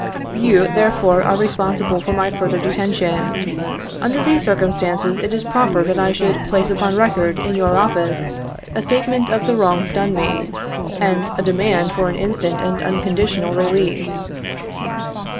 You, therefore, are re sponsible for my further detention. Under these circumstances it is proper that I should place upon record, in your office, a statement of the wrongs done me, and a demand for an instant and unconditional release.